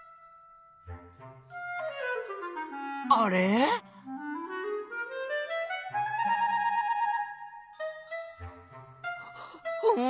あれっ？ん？